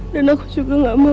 dan aku juga gak mau